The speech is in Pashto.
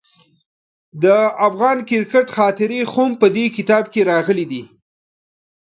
د افغان کرکټ خاطرې هم په دې کتاب کې راغلي دي.